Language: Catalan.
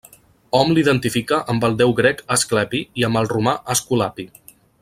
Hom l'identifica amb el déu grec Asclepi i amb el romà Esculapi.